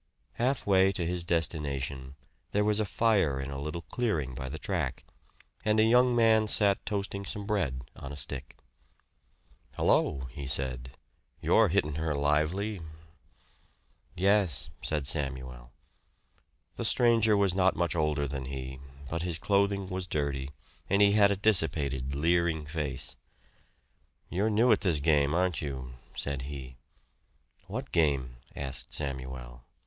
Halfway to his destination there was a fire in a little clearing by the track, and a young man sat toasting some bread on a stick. "Hello!" he said. "You're hittin' her lively." "Yes," said Samuel. The stranger was not much older than he, but his clothing was dirty and he had a dissipated, leering face. "You're new at this game, aren't you?" said he. "What game?" asked Samuel.